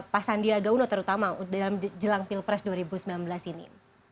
pak sandiaga uno terutama dalam jelang pilpres dua ribu sembilan belas ini